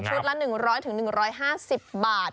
ชุดละ๑๐๐๑๕๐บาท